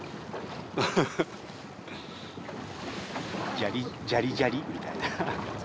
ジャリジャリジャリみたいな。